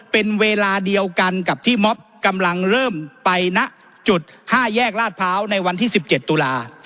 เป็นเวลาเดียวกันกับที่ม็อบกำลังเริ่มไปณจุดห้าแยกลาดเภาในวันที่สิบเจ็ดตุลาคม